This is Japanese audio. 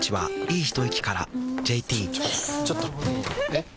えっ⁉